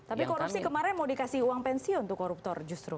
tapi korupsi kemarin mau dikasih uang pensiun untuk koruptor justru